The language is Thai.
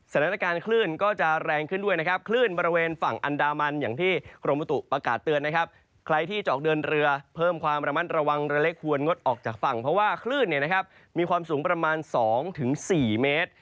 สถานการณ์คลื่นก็จะแรงขึ้นด้วยนะครับคลื่นบริเวณฝั่งอันดามันอย่างที่กรมบุตุประกาศเตือนนะครับใครที่จะออกเดินเรือเพิ่มความระมัดระวังเรือเล็กควรงดออกจากฝั่งเพราะว่าคลื่นเนี่ยนะครับมีความสูงประมาณ๒๔เมตร